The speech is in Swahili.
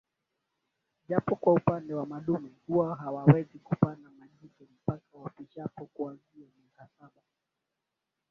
japo kwa upande wa madume huwa hawawezi kupanda majike mpaka wafishapo kuanzia miaka saba